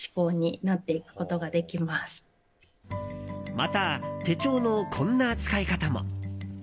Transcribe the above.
また手帳のこんな使い方も。